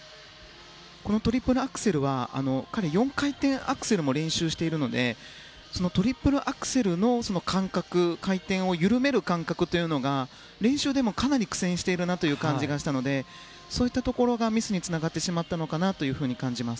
トリプルアクセルは彼、４回転アクセルも練習しているのでトリプルアクセルの感覚回転を緩める感覚が練習でもかなり苦戦している感じがしたのでそういったところがミスにつながってしまったのかなと感じます。